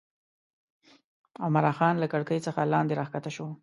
عمرا خان له کړکۍ څخه لاندې راکښته شو.